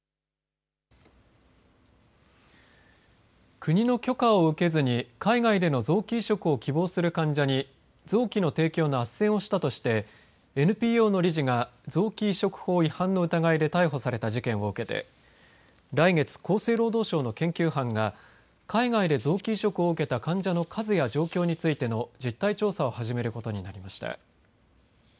国の許可を受けずに海外での臓器移植を希望する患者に臓器の提供のあっせんをしたとしてＮＰＯの理事が臓器移植法違反の疑いで逮捕された事件を受けて来月、厚生労働省の研究班が海外で臓器移植を受けた患者の数や状況についての実態調査を始めることになりました。